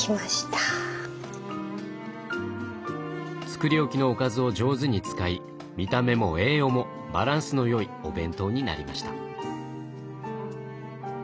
作り置きのおかずを上手に使い見た目も栄養もバランスの良いお弁当になりました。